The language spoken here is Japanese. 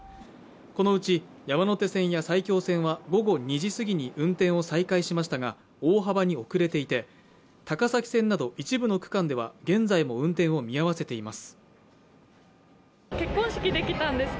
このうち山手線や埼京線は午後２時すぎに運転を再開しましたが、大幅に遅れていて、高崎線など一部の区間では現在も運転を見合わせています。